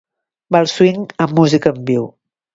ball swing amb música en viu